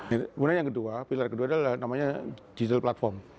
kemudian yang kedua pilar kedua adalah namanya digital platform